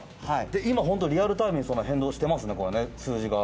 今ホントリアルタイムに変動してますね数字が。